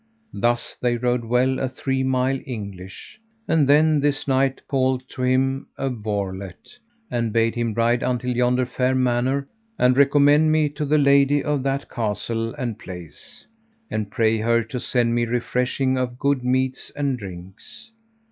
Thus they rode well a three mile English, and then this knight called to him a varlet, and bade him ride until yonder fair manor, and recommend me to the lady of that castle and place, and pray her to send me refreshing of good meats and drinks.